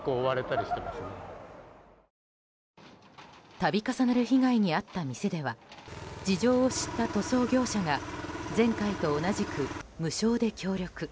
度重なる被害に遭った店では事情を知った塗装業者が前回と同じく無償で協力。